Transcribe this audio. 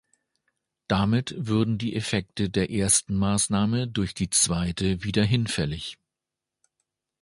Damit würden die Effekte der ersten Maßnahme durch die zweite wieder hinfällig.